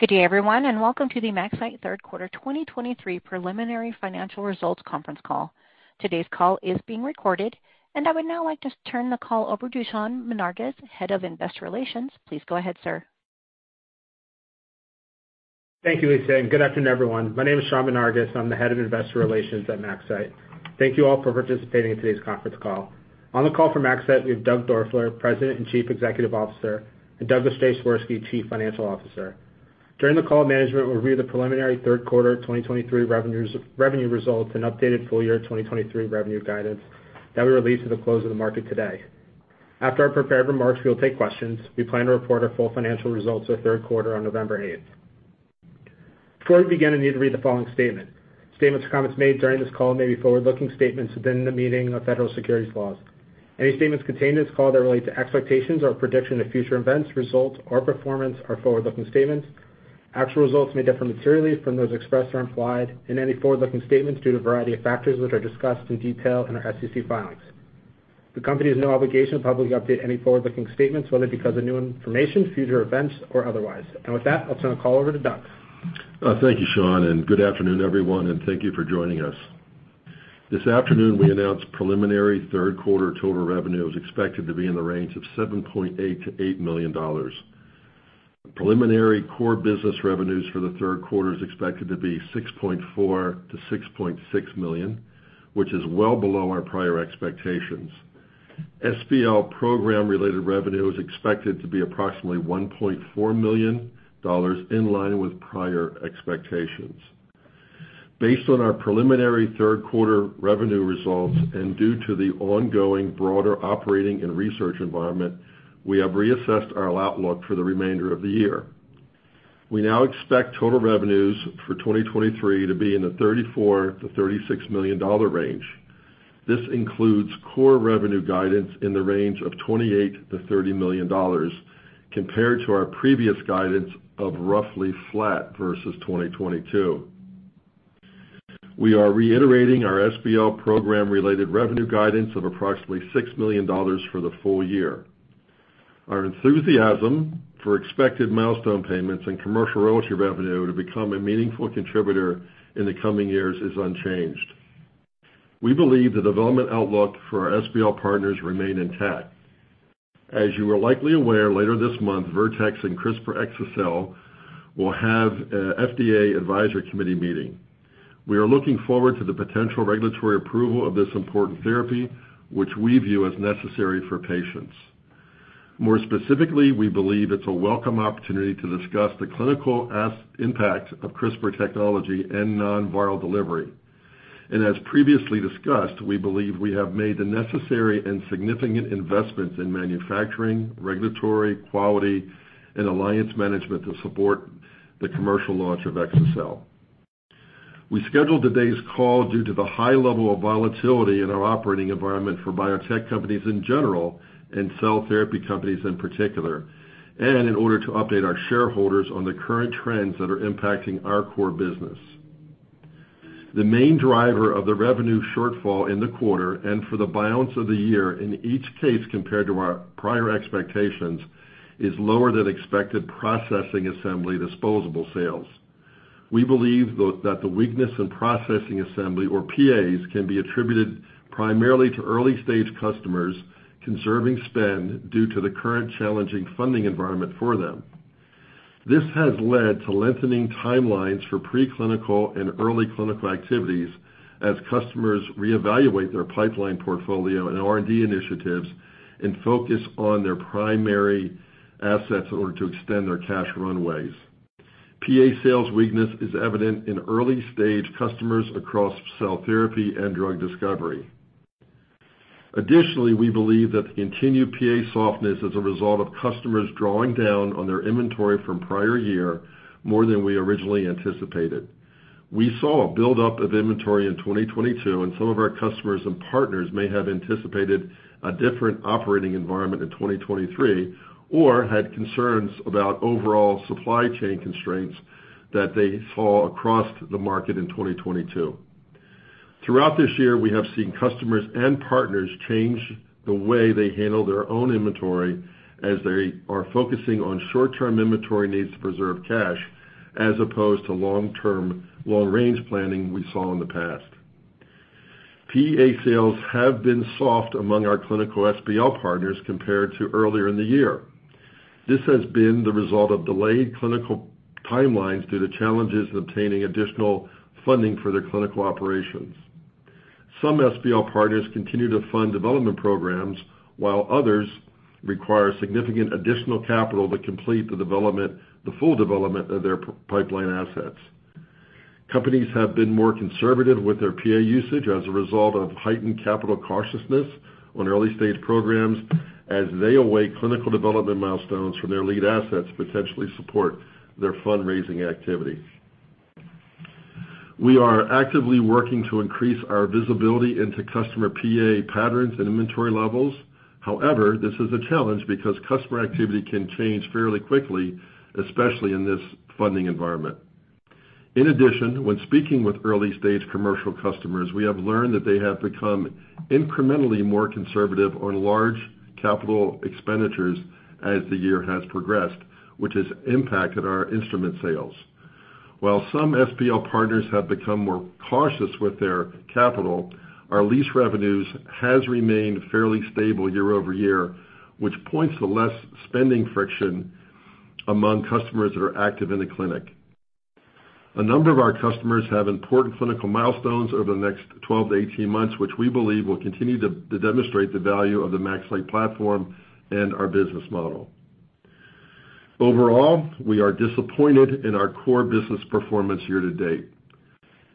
Good day, everyone, and welcome to the MaxCyte third quarter 2023 preliminary financial results conference call. Today's call is being recorded, and I would now like to turn the call over to Sean Menarguez, Head of Investor Relations. Please go ahead, sir. Thank you, Lisa, and good afternoon, everyone. My name is Sean Menarguez. I'm the Head of Investor Relations at MaxCyte. Thank you all for participating in today's conference call. On the call from MaxCyte, we have Doug Doerfler, President and Chief Executive Officer, and Douglas Swirsky, Chief Financial Officer. During the call, management will review the preliminary third quarter 2023 revenues, revenue results and updated full year 2023 revenue guidance that we released at the close of the market today. After our prepared remarks, we will take questions. We plan to report our full financial results for the third quarter on November 8th. Before we begin, I need to read the following statement. Statements or comments made during this call may be forward-looking statements within the meaning of federal securities laws. Any statements contained in this call that relate to expectations or prediction of future events, results or performance are forward-looking statements. Actual results may differ materially from those expressed or implied in any forward-looking statements due to a variety of factors, which are discussed in detail in our SEC filings. The company has no obligation to publicly update any forward-looking statements, whether because of new information, future events, or otherwise. With that, I'll turn the call over to Doug. Thank you, Sean, and good afternoon, everyone, and thank you for joining us. This afternoon, we announced preliminary third quarter total revenue is expected to be in the range of $7.8 million-$8 million. Preliminary core business revenues for the third quarter is expected to be $6.4 million-$6.6 million, which is well below our prior expectations. SPL program-related revenue is expected to be approximately $1.4 million in line with prior expectations. Based on our preliminary third quarter revenue results and due to the ongoing broader operating and research environment, we have reassessed our outlook for the remainder of the year. We now expect total revenues for 2023 to be in the $34 million-$36 million range. This includes core revenue guidance in the range of $28 million-$30 million compared to our previous guidance of roughly flat versus 2022. We are reiterating our SPL program-related revenue guidance of approximately $6 million for the full year. Our enthusiasm for expected milestone payments and commercial royalty revenue to become a meaningful contributor in the coming years is unchanged. We believe the development outlook for our SPL partners remain intact. As you are likely aware, later this month, Vertex and CRISPR exa-cel will have an FDA Advisory Committee meeting. We are looking forward to the potential regulatory approval of this important therapy, which we view as necessary for patients. More specifically, we believe it's a welcome opportunity to discuss the clinical impact of CRISPR technology and non-viral delivery. As previously discussed, we believe we have made the necessary and significant investments in manufacturing, regulatory, quality, and alliance management to support the commercial launch of exa-cel. We scheduled today's call due to the high level of volatility in our operating environment for biotech companies in general and cell therapy companies in particular, and in order to update our shareholders on the current trends that are impacting our core business. The main driver of the revenue shortfall in the quarter and for the balance of the year, in each case, compared to our prior expectations, is lower than expected processing assembly disposable sales. We believe that the weakness in processing assembly, or PAs, can be attributed primarily to early-stage customers conserving spend due to the current challenging funding environment for them. This has led to lengthening timelines for preclinical and early clinical activities as customers reevaluate their pipeline portfolio and R&D initiatives and focus on their primary assets in order to extend their cash runways. PA sales weakness is evident in early-stage customers across cell therapy and drug discovery. Additionally, we believe that the continued PA softness is a result of customers drawing down on their inventory from prior year more than we originally anticipated. We saw a buildup of inventory in 2022, and some of our customers and partners may have anticipated a different operating environment in 2023, or had concerns about overall supply chain constraints that they saw across the market in 2022. Throughout this year, we have seen customers and partners change the way they handle their own inventory as they are focusing on short-term inventory needs to preserve cash, as opposed to long-term, long-range planning we saw in the past. PA sales have been soft among our clinical SPL partners compared to earlier in the year. This has been the result of delayed clinical timelines due to challenges obtaining additional funding for their clinical operations. Some SPL partners continue to fund development programs, while others require significant additional capital to complete the development, the full development of their pipeline assets. Companies have been more conservative with their PA usage as a result of heightened capital cautiousness on early-stage programs as they await clinical development milestones from their lead assets to potentially support their fundraising activity. We are actively working to increase our visibility into customer PA patterns and inventory levels. However, this is a challenge because customer activity can change fairly quickly, especially in this funding environment... In addition, when speaking with early-stage commercial customers, we have learned that they have become incrementally more conservative on large capital expenditures as the year has progressed, which has impacted our instrument sales. While some SPL partners have become more cautious with their capital, our lease revenues has remained fairly stable year-over-year, which points to less spending friction among customers that are active in the clinic. A number of our customers have important clinical milestones over the next 12-18 months, which we believe will continue to, to demonstrate the value of the ExPERT platform and our business model. Overall, we are disappointed in our core business performance year-to-date.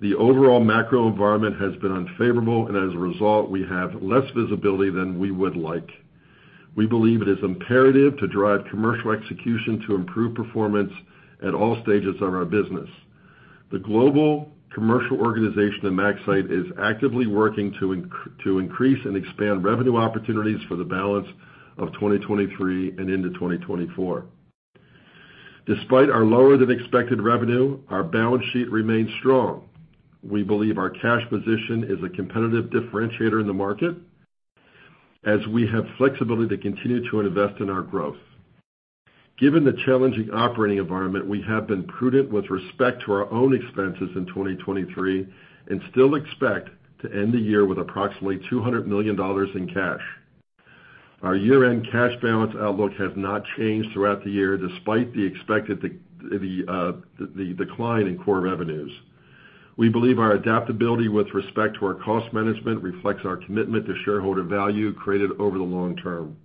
The overall macro environment has been unfavorable, and as a result, we have less visibility than we would like. We believe it is imperative to drive commercial execution to improve performance at all stages of our business. The global commercial organization of MaxCyte is actively working to increase and expand revenue opportunities for the balance of 2023 and into 2024. Despite our lower-than-expected revenue, our balance sheet remains strong. We believe our cash position is a competitive differentiator in the market as we have flexibility to continue to invest in our growth. Given the challenging operating environment, we have been prudent with respect to our own expenses in 2023 and still expect to end the year with approximately $200 million in cash. Our year-end cash balance outlook has not changed throughout the year, despite the expected decline in core revenues. We believe our adaptability with respect to our cost management reflects our commitment to shareholder value created over the long term.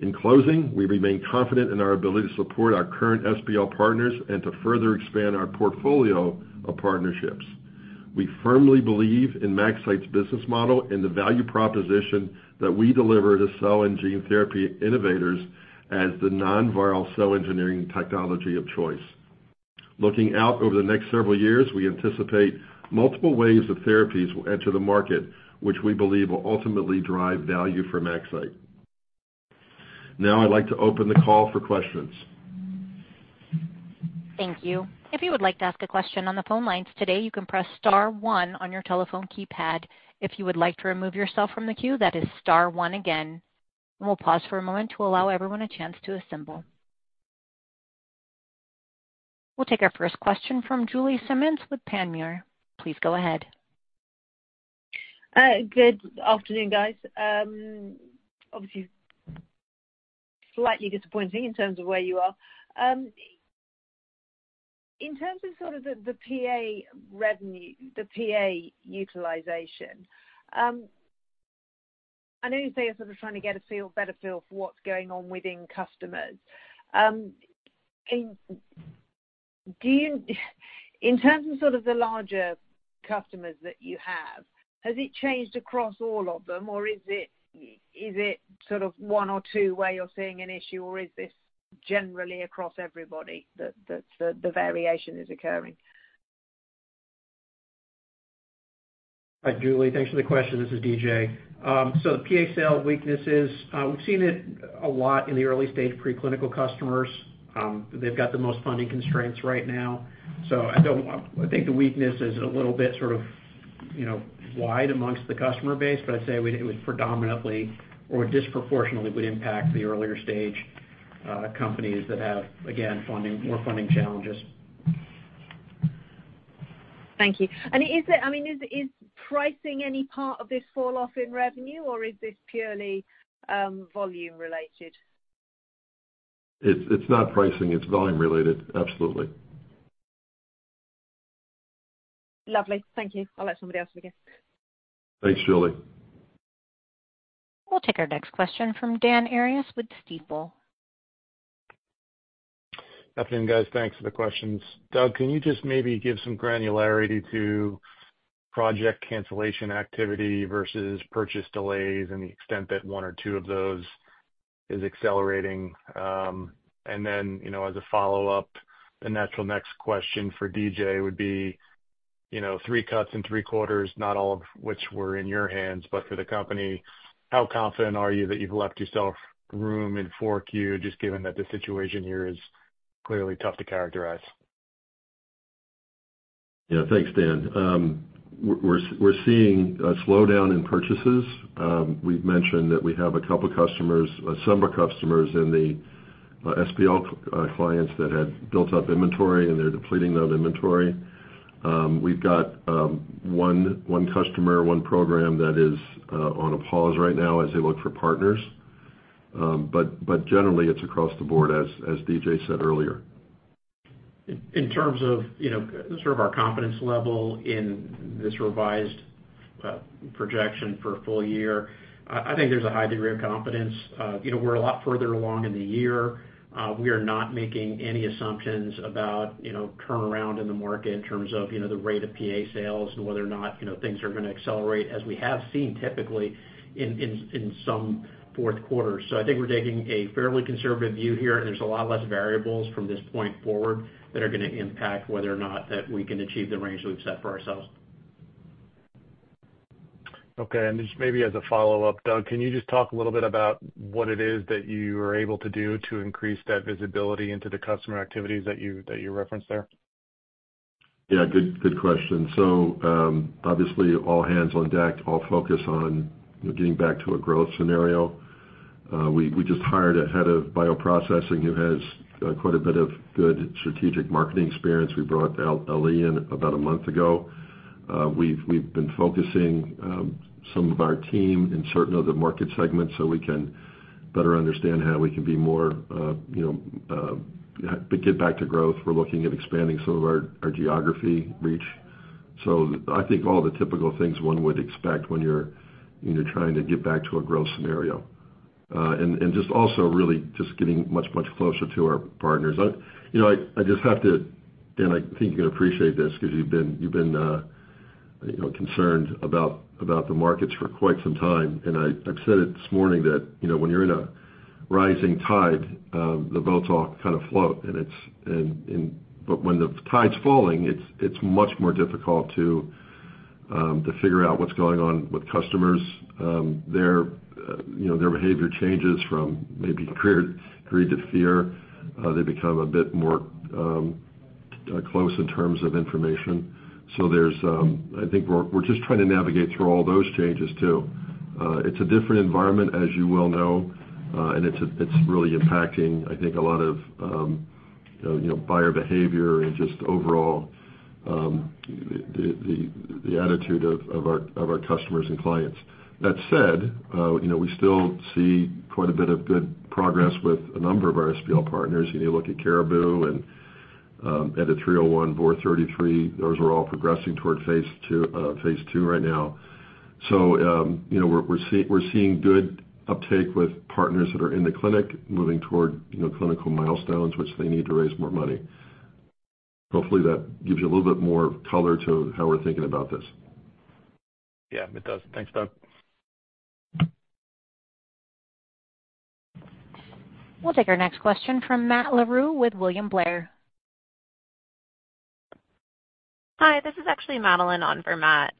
In closing, we remain confident in our ability to support our current SPL partners and to further expand our portfolio of partnerships. We firmly believe in MaxCyte's business model and the value proposition that we deliver to cell and gene therapy innovators as the nonviral cell engineering technology of choice. Looking out over the next several years, we anticipate multiple waves of therapies will enter the market, which we believe will ultimately drive value for MaxCyte. Now I'd like to open the call for questions. Thank you. If you would like to ask a question on the phone lines today, you can press star one on your telephone keypad. If you would like to remove yourself from the queue, that is star one again. We'll pause for a moment to allow everyone a chance to assemble. We'll take our first question from Julie Simmonds with Panmure. Please go ahead. Good afternoon, guys. Obviously, slightly disappointing in terms of where you are. In terms of sort of the PA revenue, the PA utilization, I know you say you're sort of trying to get a feel, better feel for what's going on within customers. Do you—in terms of sort of the larger customers that you have, has it changed across all of them, or is it sort of one or two where you're seeing an issue, or is this generally across everybody that the variation is occurring? Hi, Julie. Thanks for the question. This is DJ. So the PA sales weaknesses, we've seen it a lot in the early-stage preclinical customers. They've got the most funding constraints right now, so I don't, I think the weakness is a little bit sort of, you know, wide amongst the customer base, but I'd say it would predominantly or disproportionately would impact the earlier stage companies that have, again, funding, more funding challenges. Thank you. And is it, I mean, is pricing any part of this falloff in revenue, or is this purely, volume related? It's not pricing, it's volume related. Absolutely. Lovely. Thank you. I'll let somebody else begin. Thanks, Julie. We'll take our next question from Dan Arias with Stifel. Afternoon, guys. Thanks for the questions. Doug, can you just maybe give some granularity to project cancellation activity versus purchase delays and the extent that one or two of those is accelerating? And then, you know, as a follow-up, the natural next question for DJ would be, you know, three cuts in three quarters, not all of which were in your hands, but for the company, how confident are you that you've left yourself room in 4Q, just given that the situation here is clearly tough to characterize? Yeah. Thanks, Dan. We're seeing a slowdown in purchases. We've mentioned that we have a couple customers, some of our customers in the SPL clients that had built up inventory, and they're depleting that inventory. We've got one customer, one program that is on a pause right now as they look for partners. But generally, it's across the board, as DJ said earlier. In terms of, you know, sort of our confidence level in this revised projection for a full year, I think there's a high degree of confidence. You know, we're a lot further along in the year. We are not making any assumptions about, you know, turnaround in the market in terms of, you know, the rate of PA sales and whether or not, you know, things are going to accelerate, as we have seen typically in some fourth quarters. So I think we're taking a fairly conservative view here, and there's a lot less variables from this point forward that are going to impact whether or not that we can achieve the range we've set for ourselves.... Okay, and just maybe as a follow-up, Doug, can you just talk a little bit about what it is that you were able to do to increase that visibility into the customer activities that you referenced there? Yeah, good, good question. So, obviously, all hands on deck, all focus on getting back to a growth scenario. We, we just hired a Head of Bioprocessing who has, quite a bit of good strategic marketing experience. We brought Ali in about a month ago. We've, we've been focusing, some of our team in certain other market segments so we can better understand how we can be more, you know, to get back to growth. We're looking at expanding some of our, our geography reach. So I think all the typical things one would expect when you're, you know, trying to get back to a growth scenario. And, and just also really just getting much, much closer to our partners. You know, I just have to, and I think you're going to appreciate this because you've been concerned about the markets for quite some time, and I've said it this morning that, you know, when you're in a rising tide, the boats all kind of float, and it's, and but when the tide's falling, it's much more difficult to figure out what's going on with customers. Their, you know, their behavior changes from maybe fear, greed to fear. They become a bit more close in terms of information. So there's, I think we're just trying to navigate through all those changes, too. It's a different environment, as you well know, and it's really impacting, I think, a lot of, you know, buyer behavior and just overall, the attitude of our customers and clients. That said, you know, we still see quite a bit of good progress with a number of our SPL partners. You look at Caribou and, EDIT-301, VOR33, those are all progressing toward phase II, phase II right now. So, you know, we're seeing good uptake with partners that are in the clinic, moving toward, you know, clinical milestones, which they need to raise more money. Hopefully, that gives you a little bit more color to how we're thinking about this. Yeah, it does. Thanks, Doug. We'll take our next question from Matt Larew with William Blair. Hi, this is actually Madeline on for Matt.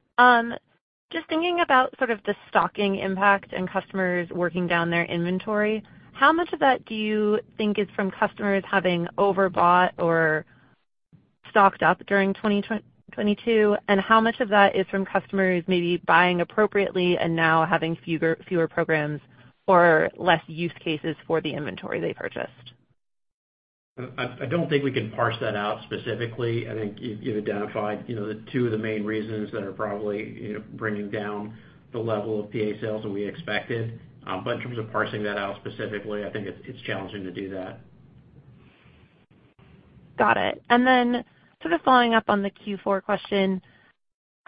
Just thinking about sort of the stocking impact and customers working down their inventory, how much of that do you think is from customers having overbought or stocked up during 2022? And how much of that is from customers maybe buying appropriately and now having fewer programs or less use cases for the inventory they purchased? I don't think we can parse that out specifically. I think you identified, you know, the two of the main reasons that are probably, you know, bringing down the level of PA sales than we expected. But in terms of parsing that out specifically, I think it's challenging to do that. Got it. And then sort of following up on the Q4 question,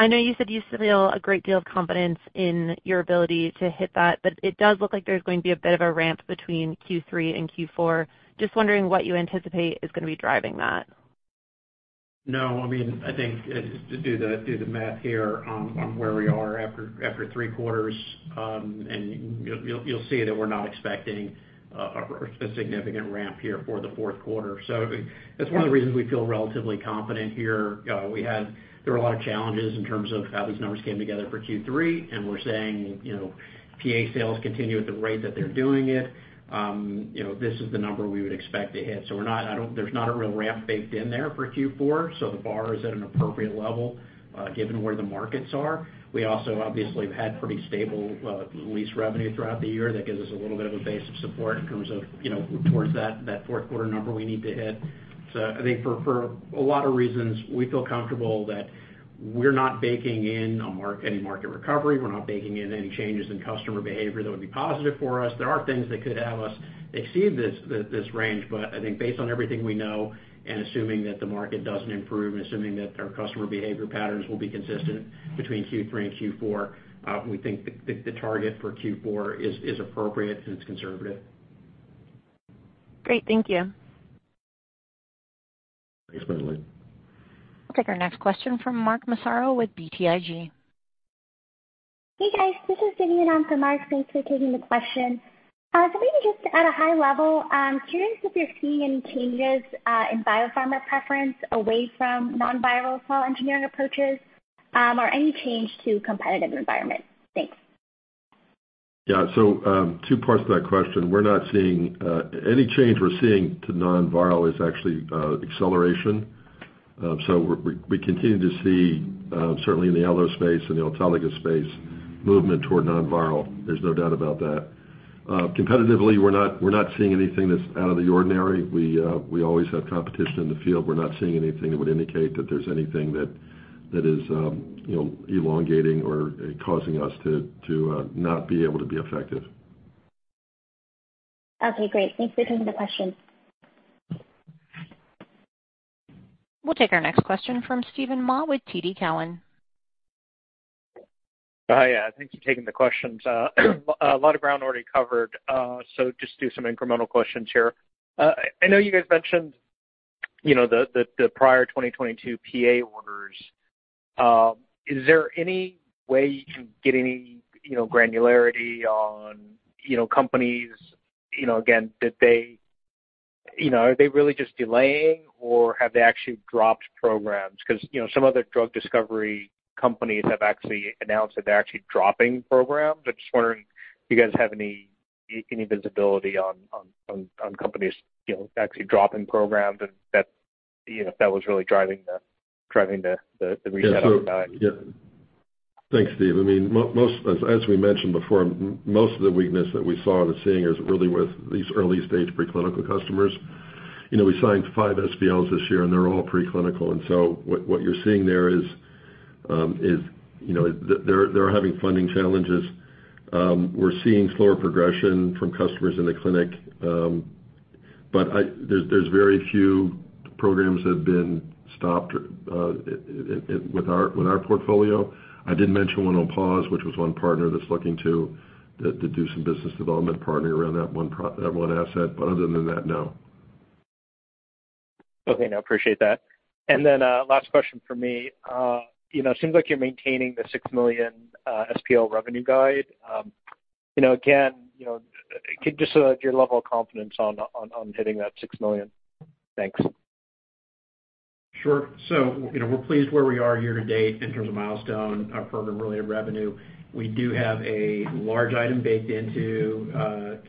I know you said you still feel a great deal of confidence in your ability to hit that, but it does look like there's going to be a bit of a ramp between Q3 and Q4. Just wondering what you anticipate is going to be driving that? No, I mean, I think to do the math here on where we are after three quarters, and you'll see that we're not expecting a significant ramp here for the fourth quarter. So that's one of the reasons we feel relatively confident here. We had -- there were a lot of challenges in terms of how these numbers came together for Q3, and we're saying, you know, PA sales continue at the rate that they're doing it, you know, this is the number we would expect to hit. So we're not, I don't-- there's not a real ramp baked in there for Q4, so the bar is at an appropriate level, given where the markets are. We also obviously have had pretty stable lease revenue throughout the year. That gives us a little bit of a base of support in terms of, you know, towards that fourth quarter number we need to hit. So I think for a lot of reasons, we feel comfortable that we're not baking in any market recovery. We're not baking in any changes in customer behavior that would be positive for us. There are things that could have us exceed this range, but I think based on everything we know, and assuming that the market doesn't improve, and assuming that our customer behavior patterns will be consistent between Q3 and Q4, we think the target for Q4 is appropriate and it's conservative. Great. Thank you. Thanks, Madeline. We'll take our next question from Mark Massaro with BTIG. Hey, guys. This is Vidyun on for Mark. Thanks for taking the question. So maybe just at a high level, curious if you're seeing any changes in biopharma preference away from non-viral cell engineering approaches, or any change to competitive environment? Thanks. Yeah. So, two parts to that question. We're not seeing any change we're seeing to non-viral is actually acceleration. So, we continue to see certainly in the allo space and the autologous space, movement toward non-viral. There's no doubt about that. Competitively, we're not seeing anything that's out of the ordinary. We always have competition in the field. We're not seeing anything that would indicate that there's anything that is, you know, elongating or causing us to not be able to be effective. Okay, great. Thanks for taking the question. We'll take our next question from Steven Mah with TD Cowen. Hi, yeah. Thanks for taking the questions. A lot of ground already covered, so just do some incremental questions here. I know you guys mentioned, you know, the prior 2022 PA orders. Is there any way you can get any, you know, granularity on, you know, companies? You know, again, are they really just delaying or have they actually dropped programs? Because, you know, some other drug discovery companies have actually announced that they're actually dropping programs. I'm just wondering if you guys have any visibility on companies, you know, actually dropping programs and that, you know, if that was really driving the reset on value. Yeah. Thanks, Steve. I mean, most, as we mentioned before, most of the weakness that we saw and are seeing is really with these early-stage preclinical customers. You know, we signed five SPLs this year, and they're all preclinical. And so what you're seeing there is, you know, they're having funding challenges. We're seeing slower progression from customers in the clinic. But there's very few programs that have been stopped with our portfolio. I did mention one on pause, which was one partner that's looking to do some business development partnering around that one asset, but other than that, no. Okay. No, appreciate that. And then, last question for me. You know, it seems like you're maintaining the $6 million SPL revenue guide. You know, again, you know, just your level of confidence on hitting that $6 million. Thanks. Sure. So, you know, we're pleased where we are year to date in terms of milestone, program-related revenue. We do have a large item baked into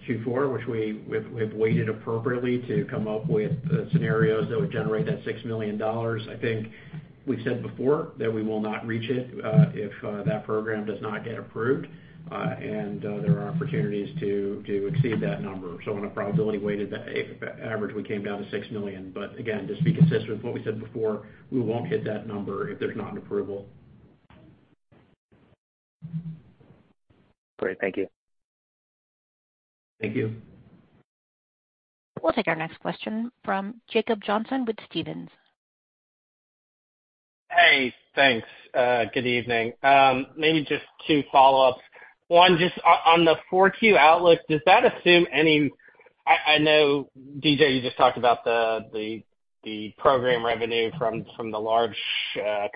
Q4, which we've weighted appropriately to come up with scenarios that would generate that $6 million. I think we've said before that we will not reach it if that program does not get approved, and there are opportunities to exceed that number. So on a probability-weighted average, we came down to $6 million. But again, just to be consistent with what we said before, we won't hit that number if there's not an approval. Great. Thank you. Thank you. We'll take our next question from Jacob Johnson with Stephens. Hey, thanks. Good evening. Maybe just two follow-ups. One, just on the 4Q outlook, does that assume any... I know, DJ, you just talked about the program revenue from the large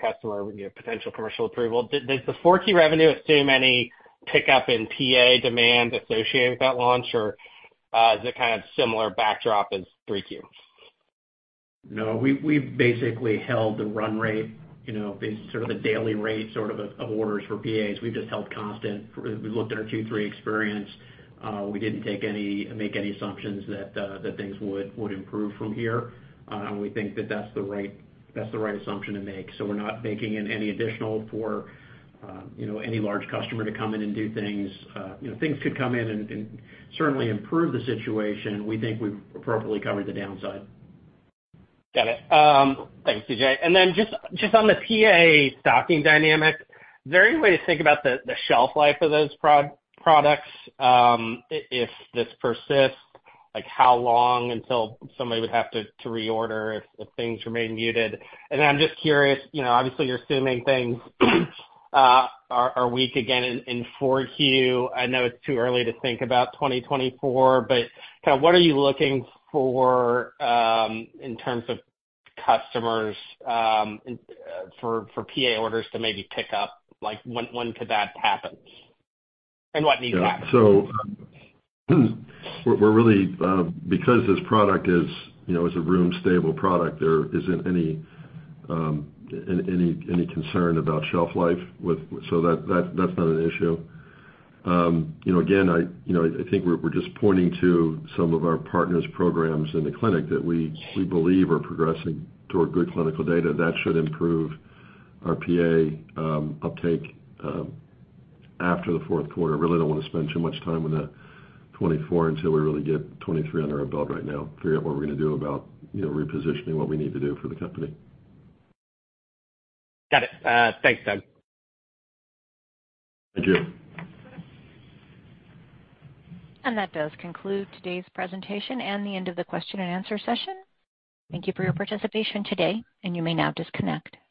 customer, you know, potential commercial approval. Does the 4Q revenue assume any pickup in PA demand associated with that launch, or is it kind of similar backdrop as 3Q? No, we've basically held the run rate, you know, sort of the daily rate, sort of, of orders for PAs. We've just held constant. We've looked at our Q3 experience. We didn't make any assumptions that things would improve from here. And we think that that's the right assumption to make. So we're not baking in any additional for, you know, any large customer to come in and do things. You know, things could come in and certainly improve the situation. We think we've appropriately covered the downside. Got it. Thanks, DJ. And then just, just on the PA stocking dynamic, is there any way to think about the, the shelf life of those products, if this persists, like, how long until somebody would have to to reorder if things remain muted? And then I'm just curious, you know, obviously, you're assuming things are weak again in 4Q. I know it's too early to think about 2024, but kind of what are you looking for in terms of customers for PA orders to maybe pick up? Like, when could that happen, and what needs to happen? Yeah. So we're really, because this product is, you know, is a room-stable product, there isn't any concern about shelf life with... So that, that's not an issue. You know, again, I, you know, I think we're just pointing to some of our partners' programs in the clinic that we believe are progressing toward good clinical data. That should improve our PA uptake after the fourth quarter. I really don't want to spend too much time on the 2024 until we really get 2023 under our belt right now, figure out what we're going to do about, you know, repositioning what we need to do for the company. Got it. Thanks, Doug. Thank you. That does conclude today's presentation and the end of the question-and-answer session. Thank you for your participation today, and you may now disconnect.